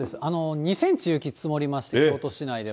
２センチ、雪積もりまして、京都市内でも。